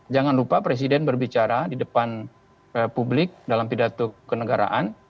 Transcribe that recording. jangan lupa presiden berbicara di depan publik dalam pidato kenegaraan